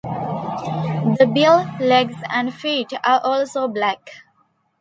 The bill, legs and feet are also black.